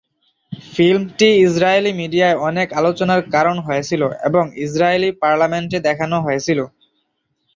ফিল্মটি Israeli মিডিয়ায় অনেক আলোচনার কারণ হয়েছিল এবং ইসরায়েলি পার্লামেন্টে দেখানো হয়েছিল।